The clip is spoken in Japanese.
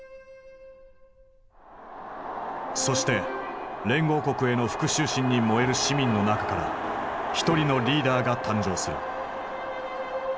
そして連合国への復讐心に燃える市民の中から一人のリーダーが誕生する。